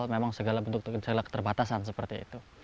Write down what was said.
memang segala bentuk terbatasan seperti itu